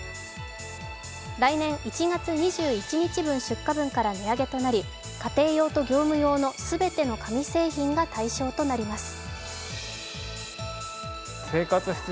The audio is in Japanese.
来年１月２１日出荷分から値上げとなり家庭用と業務用の全ての紙製品が対象となります。